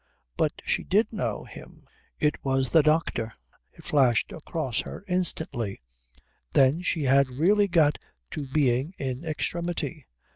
But she did know him. It was the doctor. It flashed across her instantly. Then she had really got to being in extremity.